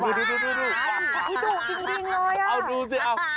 นั่นจริงล้อยอ้าวดูสิเอ้า